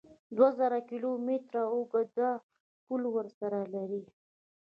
دوه زره کیلو متره اوږده پوله ورسره لري